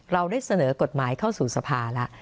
เราได้เสนอกฎหมายเข้าสู่สภาแล้ว